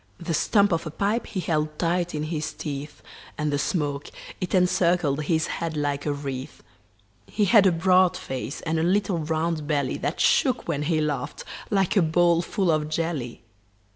The stump of a pipe he held tight in his teeth, And the smoke, it encircled his head like a wreath. He had a broad face and a little round belly That shook when he laughed like a bowl full of jelly.